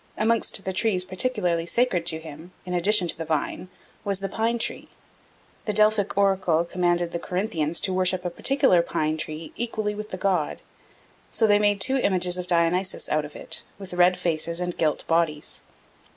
Amongst the trees particularly sacred to him, in addition to the vine, was the pine tree. The Delphic oracle commanded the Corinthians to worship a particular pine tree "equally with the god," so they made two images of Dionysus out of it, with red faces and gilt bodies.